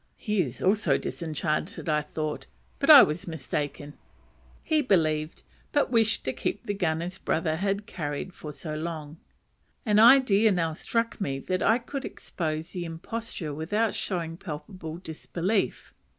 He is also disenchanted, thought I, but I was mistaken; he believed, but wished to keep the gun his brother had carried so long. An idea now struck me that I could expose the imposture without showing palpable disbelief.